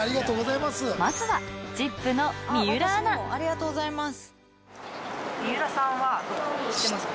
まずは『ＺＩＰ！』の水卜アナありがとうございます。